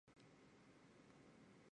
此作亦是他为人所知的作品之一。